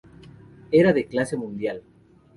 Era de clase mundial.